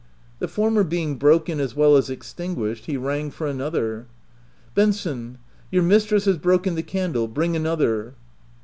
The former being broken as well as extinguished, he rang for another. " Benson, your mistress has broken the can dle : bring another."